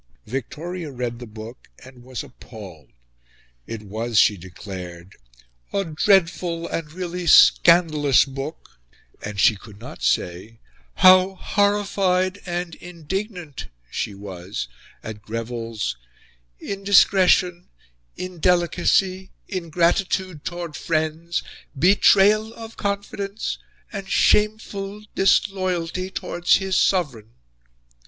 Victoria read the book, and was appalled. It was, she declared, a "dreadful and really scandalous book," and she could not say "how HORRIFIED and INDIGNANT" she was at Greville's "indiscretion, indelicacy, ingratitude towards friends, betrayal of confidence and shameful disloyalty towards his Sovereign."